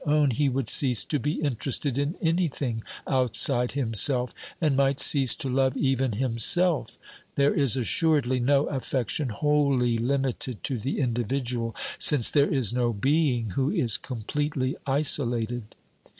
OBERMANN 257 he would cease to be interested in anything outside himself, and might cease to love even himself; there is assuredly no affection wholly limited to the individual, since there is no being who is completely isolated.